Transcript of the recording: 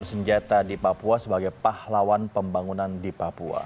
bersenjata di papua sebagai pahlawan pembangunan di papua